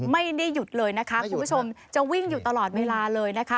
ไม่ได้หยุดเลยนะคะคุณผู้ชมจะวิ่งอยู่ตลอดเวลาเลยนะคะ